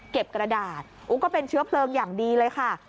กระดาษก็เป็นเชื้อเพลิงอย่างดีเลยค่ะ